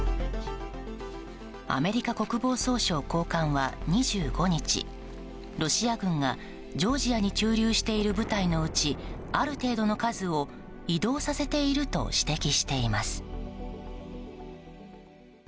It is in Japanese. アメリカ国防総省高官は２５日ロシア軍がジョージアに駐留している部隊のうち、ある程度の数移動させていると指摘しています。